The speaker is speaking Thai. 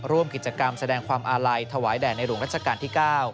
ร่วมกิจกรรมแสดงความอาลัยถวายแด่ในหลวงรัชกาลที่๙